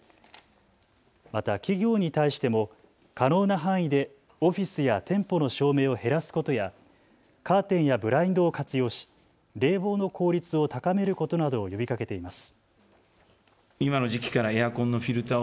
また企業に対しても可能な範囲でオフィスや店舗の照明を減らすことやカーテンやブラインドを活用し冷房の効率を高めることなどを呼びかけています。